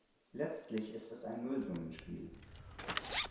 Letztlich ist es ein Nullsummenspiel.